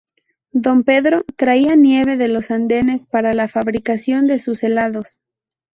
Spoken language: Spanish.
Don Pedro traía nieve de los Andes para la fabricación de sus helados.